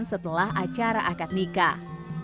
melah acara akad nikah